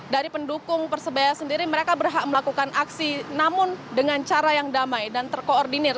dari pendukung persebaya sendiri mereka berhak melakukan aksi namun dengan cara yang damai dan terkoordinir